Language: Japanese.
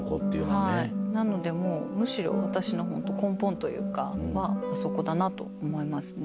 はいなのでむしろ私の根本というかはあそこだなと思いますね。